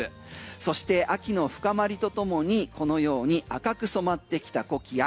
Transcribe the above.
そして秋の深まりとともにこのように赤く染まってきたコキア。